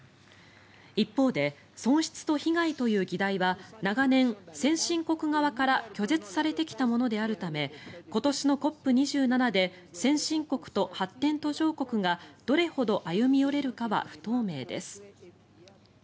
一方で「損失と被害」という議題は長年、先進国側から拒絶されてきたものであるため今年のＣＯＰ２７で先進国と発展途上国がどれほど歩み寄れるかは不透明です。